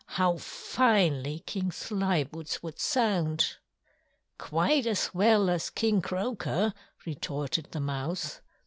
"How finely King Slyboots would sound!" "Quite as well as King Croaker!" retorted the Mouse.